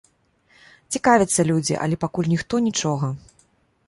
Цікавяцца людзі, але пакуль ніхто нічога.